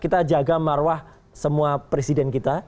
kita jaga marwah semua presiden kita